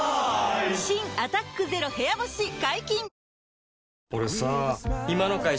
新「アタックＺＥＲＯ部屋干し」解禁‼